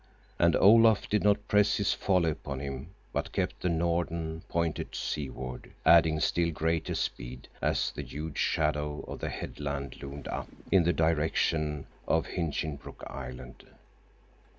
And Olaf did not press his folly upon him, but kept the Norden pointed seaward, adding still greater speed as the huge shadow of the headland loomed up in the direction of Hinchinbrook Island.